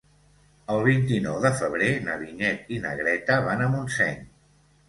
El vint-i-nou de febrer na Vinyet i na Greta van a Montseny.